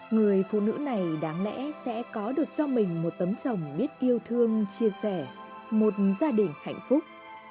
người phụ nữ này đáng lẽ sẽ có được cho mình một tấm chồng biết yêu thương chia sẻ một gia đình hạnh phúc